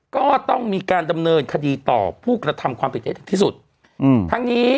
ก็ต้องมีการดำเนินคดีต่อผู้กระทำความผิดให้ถึงที่สุดอืมทั้งนี้